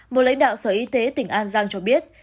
một lãnh đạo sở y tế tỉnh an giang cho biết